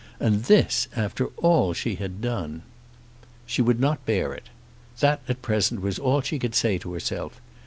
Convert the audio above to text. And this after all that she had done! She would not bear it. That at present was all that she could say to herself.